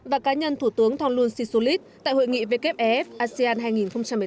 và cá nhân thủ tướng thonglun sisulit tại hội nghị wfef asean hai nghìn một mươi tám